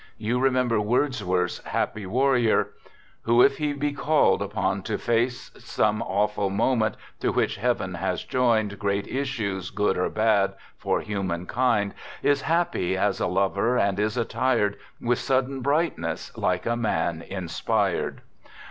You remember Wordsworth's " Happy Warrior ": Who if he be called upon to face Some awful moment to which heaven has joined Great issues, good or bad, for human kind, Is happy as a lover, and is attired With sudden brightness like a man inspired.